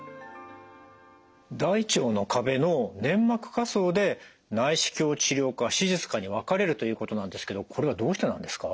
大腸の壁の粘膜下層で内視鏡治療か手術かに分かれるということなんですけどこれはどうしてなんですか？